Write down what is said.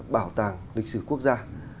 bảo tàng lịch sử quốc gia